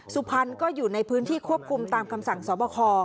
สุพรรณก็อยู่ในพื้นที่ควบคุมตามคำสั่งสอบคอ